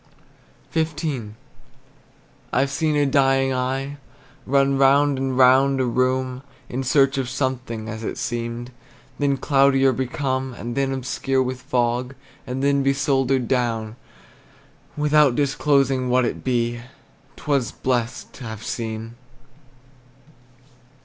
XV. I've seen a dying eye Run round and round a room In search of something, as it seemed, Then cloudier become; And then, obscure with fog, And then be soldered down, Without disclosing what it be, 'T were blessed to have seen.